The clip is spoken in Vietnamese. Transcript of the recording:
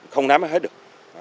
không nắm hết được